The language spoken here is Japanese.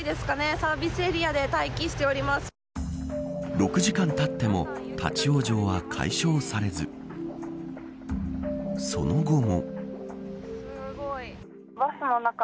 ６時間たっても立ち往生は解消されずその後も。